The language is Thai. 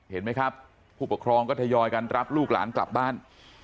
เห็นไหมครับผู้ปกครองก็ทยอยกันรับลูกหลานกลับบ้าน